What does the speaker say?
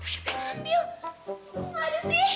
kayaknya tadi aku terus ini deh